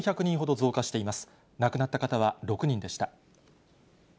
亡くなった方は６人でした。